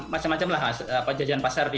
macam macamlah mas jajan pasar di